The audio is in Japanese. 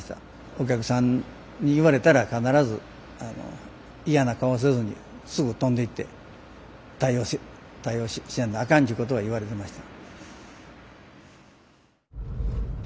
お客さんに言われたら必ず嫌な顔をせずにすぐ飛んでいって対応しやんとあかんちゅうことは言われてました。